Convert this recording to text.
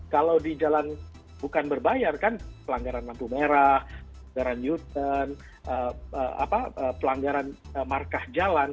kalau di jalan bukan berbayar kan pelanggaran lampu merah pelanggaran uten pelanggaran markah jalan